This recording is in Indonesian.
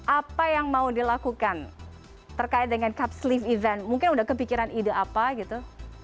apa yang mau dilakukan terkait dengan capsleeve event mungkin udah kepikiran ide apa gitu